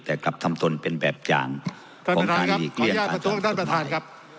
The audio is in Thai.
แต่กับทำทนเป็นแบบอย่างฟังกันอีกเรียก